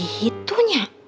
bisik bisik gitu nya